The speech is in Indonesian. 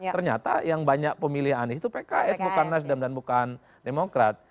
ternyata yang banyak pemilih anies itu pks bukan nasdem dan bukan demokrat